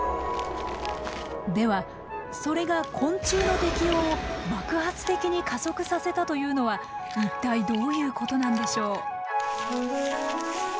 ではそれが昆虫の適応を爆発的に加速させたというのは一体どういうことなんでしょう？